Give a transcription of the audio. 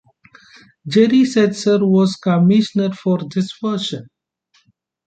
Jerry Seltzer was commissioner for this version.